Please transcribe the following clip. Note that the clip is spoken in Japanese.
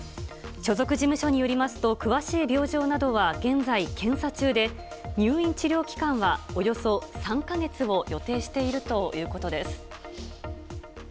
所属事務所によりますと、詳しい病状などは現在、検査中で、入院治療期間はおよそ３か月を予定しているということです。